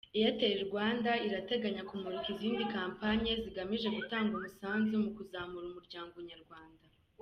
Airtel Rwanda, irateganya kumurika izindi kampanye zigamije gutanga umusanzu mu kuzamura umuryango nyarwanda.